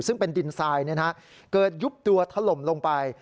ซึ่งเป็นดินทรายเกิดยุบตัวถล่มลงไป